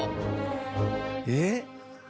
えっ？